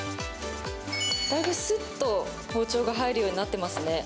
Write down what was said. だいぶ、すっと包丁が入るようになってますね。